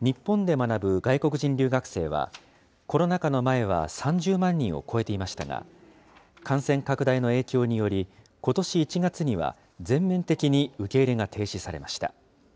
日本で学ぶ外国人留学生は、コロナ禍の前は３０万人を超えていましたが、感染拡大の影響により、ことし１月には全面的に受け入れが停止されました。